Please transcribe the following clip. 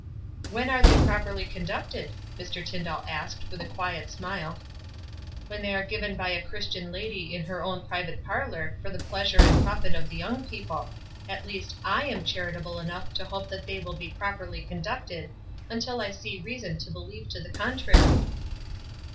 "When are they properly conducted?" Mr. Tyndall asked, with a quiet smile. " When they are given by a Christian lady in her own private parlor for the pleasure and profit of the young people. At least, / am charitable enough to hope that they will be properly conducted, until I see reason to be lieve to the contrary."